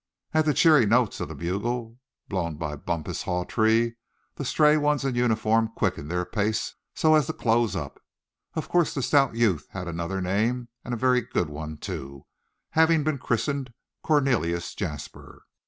At the cheery notes of the bugle, blown by "Bumpus" Hawtree, the stray ones in uniform quickened their pace, so as to close up. Of course the stout youth had another name, and a very good one too, having been christened Cornelius Jasper.